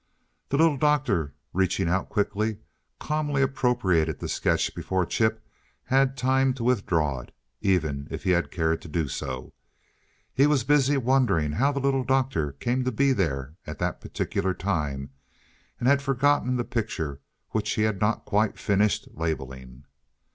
The Little Doctor, reaching out quickly, calmly appropriated the sketch before Chip had time to withdraw it, even if he had cared to do so. He was busy wondering how the Little Doctor came to be there at that particular time, and had forgotten the picture, which he had not quite finished labeling.